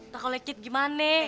tak oleh kit gimane